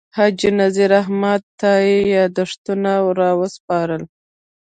حاجي نذیر احمد تائي یاداښتونه راوسپارل.